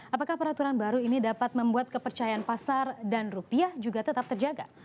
apakah peraturan baru ini dapat membuat kepercayaan pasar dan rupiah juga tetap terjaga